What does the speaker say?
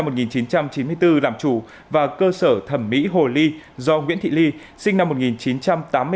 mạc thị quỳnh sinh năm một nghìn chín trăm chín mươi bốn làm chủ và cơ sở thẩm mỹ hồ ly do nguyễn thị ly sinh năm một nghìn chín trăm tám mươi tám